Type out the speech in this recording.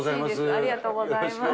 ありがとうございます。